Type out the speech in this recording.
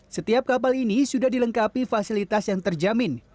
setiap kapal ini sudah dilengkapi fasilitas yang terjamin